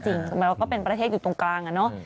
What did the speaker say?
หมายว่าก็เป็นประเทศอยู่ตรงกลางอะเนาะ